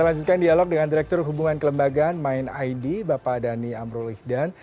kita lanjutkan dialog dengan direktur hubungan kelembagaan mindid bapak adani amrul ijdan